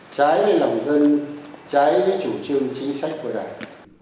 trái với lòng dân trái với chủ trương chính sách của đảng